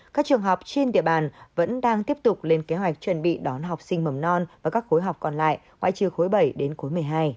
các trường học trên địa bàn vẫn đang tiếp tục lên kế hoạch chuẩn bị đón học sinh mầm non và các khối học còn lại ngoại trừ khối bảy đến cuối một mươi hai